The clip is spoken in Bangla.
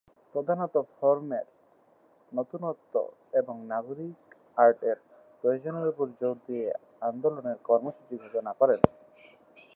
প্রধানত ফর্মের নতুনত্ব এবং নাগরিক আর্টের প্রয়োজনের উপর জোর দিয়ে আন্দোলনের কর্মসূচি ঘোষণা করেন।